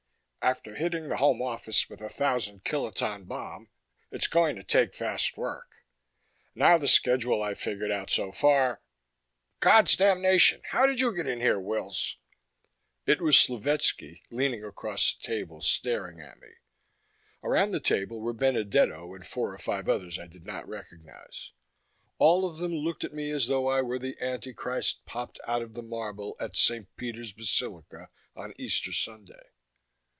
" after hitting the Home office with a Thousand kiloton bomb. It's going to take fast work. Now the schedule I've figured out so far God's damnation! How did you get in here, Wills?" It was Slovetski, leaning across a table, staring at me. Around the table were Benedetto and four or five others I did not recognize. All of them looked at me as though I were the Antichrist, popped out of the marble at St. Peter's Basilica on Easter Sunday.